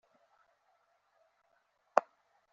Mrs. wife lady Miss